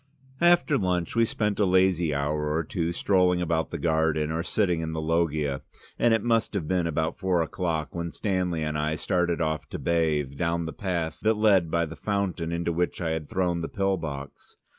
After lunch we spent a lazy hour or two strolling about the garden or sitting in the loggia, and it must have been about four o'clock when Stanley and I started off to bathe, down the path that led by the fountain into which I had thrown the pill box.